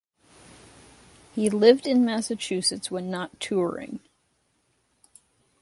He lived in Massachusetts when not touring.